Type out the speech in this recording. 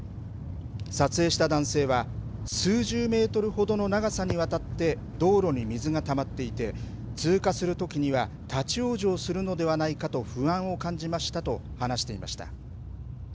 撮影した男性は、数十メートルほどの長さにわたって道路に水がたまっていて、通過するときには立往生するのではないかと不安を感じましたと話していました。